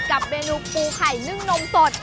กับเมนูปูไข่นึ่งนมสด